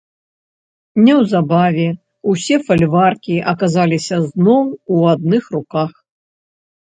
Неўзабаве ўсе фальваркі аказаліся зноў у адных руках.